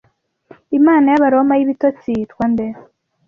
Imana y'Abaroma y'ibitotsi yitwa nde?